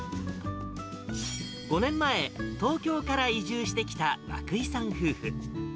５年前、東京から移住してきた涌井さん夫婦。